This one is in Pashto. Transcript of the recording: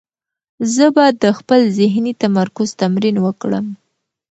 زه به د خپل ذهني تمرکز تمرین وکړم.